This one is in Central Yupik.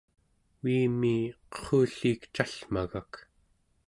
uimi qerrulliik callmagak